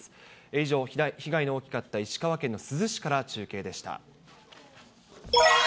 以上、被害の大きかった石川県の珠洲市から中継でした。